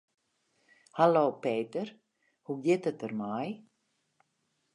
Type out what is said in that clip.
Hallo Peter, hoe giet it der mei?